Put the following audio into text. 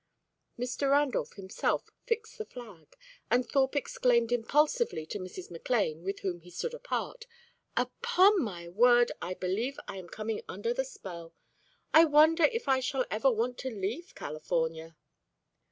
Mr. Randolph himself fixed the flag, and Thorpe exclaimed impulsively to Mrs. McLane, with whom he stood apart: "Upon my word, I believe I am coming under the spell. I wonder if I shall ever want to leave California?"